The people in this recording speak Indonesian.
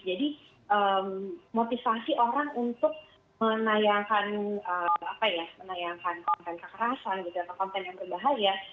jadi motivasi orang untuk menayangkan konten kekerasan atau konten yang berbahaya